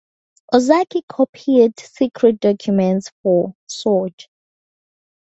Ozaki copied secret documents for Sorge.